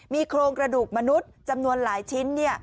มีโครงกระดูกมนุษย์จำนวนหลายชิ้น